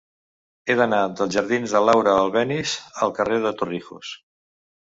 He d'anar dels jardins de Laura Albéniz al carrer de Torrijos.